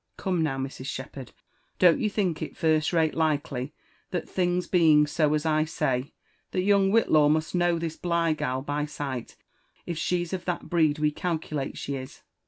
Come Qow, Mrs* Shepherd » don't you think it first rate likely that things being so as I say, that young Whillaw must know this Bligh gal by sight if she's of that breed we calculate she is